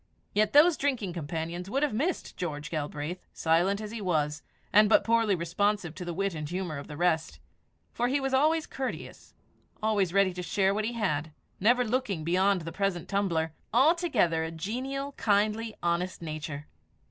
Yet those drinking companions would have missed George Galbraith, silent as he was, and but poorly responsive to the wit and humour of the rest; for he was always courteous, always ready to share what he had, never looking beyond the present tumbler altogether a genial, kindly, honest nature.